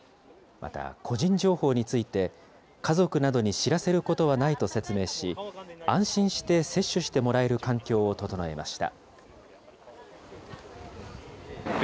また、個人情報について、家族などに知らせることはないと説明し、安心して接種してもらえる環境を整えました。